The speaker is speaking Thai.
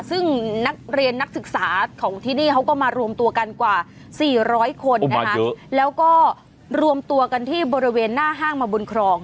ซึ่งนักเรียนนักศึกษาของที่นี่เขาก็มารวมตัวกันกว่า๔๐๐คนนะคะแล้วก็รวมตัวกันที่บริเวณหน้าห้างมาบนครอง